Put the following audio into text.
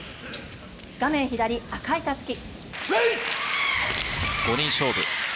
画面左、赤いたすき。